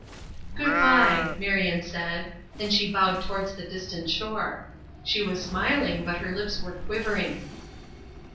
"Good bye," Marion said, and she bowed towards the distant shore; she was smiling, but her lips were quivering.